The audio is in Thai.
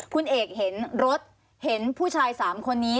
คุณเอกเห็นรถเห็นผู้ชาย๓คนนี้